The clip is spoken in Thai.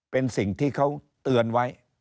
เป็นสิ่งที่เขาเตือนไว้